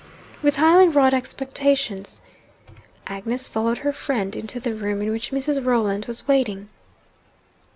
With highly wrought expectations, Agnes followed her friend into the room in which Mrs. Rolland was waiting.